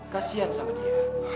kasian sama dia